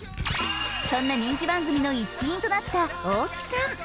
そんな人気番組の一員となった大木さん。